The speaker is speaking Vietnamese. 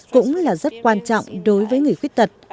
cũng là rất quan trọng đối với người khuyết tật